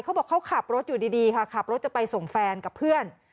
เขาบอกเขาขับรถอยู่ดีค่ะขับรถจะไปส่งแฟนกับเพื่อน